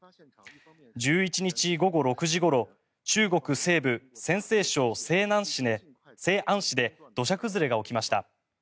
１１日午後６時ごろ中国西部・陝西省西安市で土砂崩れが起きました。